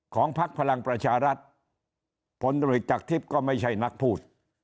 ของพักพลังประชารัฐผลตะเลกจากทริปก็ไม่ใช่นักพูด